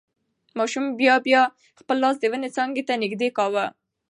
ماشوم بیا بیا خپل لاس د ونې څانګې ته نږدې کاوه.